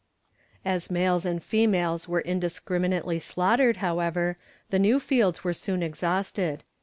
As males and females were indiscriminately slaughtered, however, the new fields were soon exhausted.